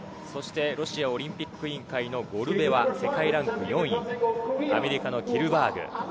そしてロシアオリンピック委員会のゴルベワ、世界ランキング４位、アメリカのキルバーグ。